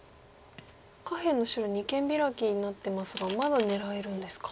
下辺の白二間ビラキになってますがまだ狙えるんですか。